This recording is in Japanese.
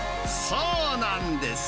そうなんです。